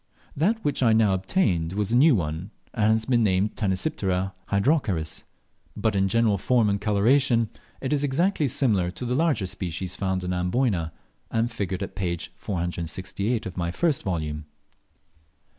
That which I now obtained was a new one, and has been named Tanysiptera hydrocharis, but in general form and coloration it is exactly similar to the larger species found in Amboyna, and figured at page 468 of my first volume.